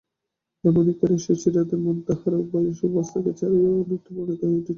এমনি করিয়া সুচরিতার মন তাহার বয়স ও অবস্থাকে ছাড়াইয়া অনেকটা পরিণত হইয়া উঠিয়াছিল।